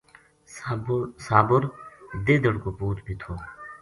صابر دیدڑھ کو پُوت بے تھو